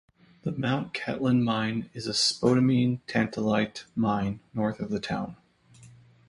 The Mount Cattlin mine is a spodumene-tantalite mine north of the town.